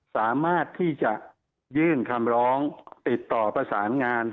สามารถที่จะยื่นคำร้องติดต่อประสานงาน